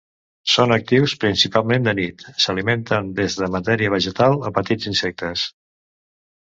Són actius principalment de nit, s'alimenten des de matèria vegetal a petits insectes.